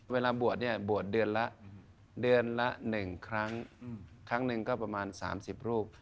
เวลาบวชเนี่ยบวชเดือนละ๑ครั้งครั้งนึงก็ประมาณสามสิบรูป